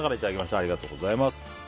ありがとうございます。